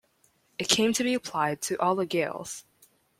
It came to be applied to all the Gaels.